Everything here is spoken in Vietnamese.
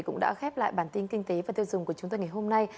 cũng đã khép lại bản tin kinh tế và tiêu dùng của chúng tôi ngày hôm nay